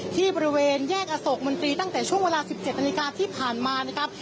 ที่บริเวณแยกอโศกมนตรีตั้งแต่ช่วงเวลา๑๗นาฬิกาที่ผ่านมานะครับ